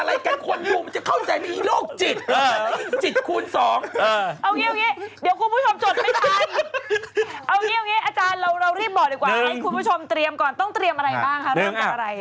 บางคนบอกว่าเปลี่ยนเลยอาจารย์แบบนี้